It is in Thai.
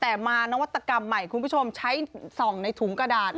แต่มานวัตกรรมใหม่คุณผู้ชมใช้ส่องในถุงกระดาษ